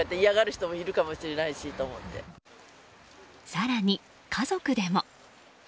更に、家族でも。